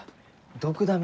ドクダミ？